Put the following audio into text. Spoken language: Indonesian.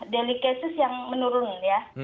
delicacies yang menurun ya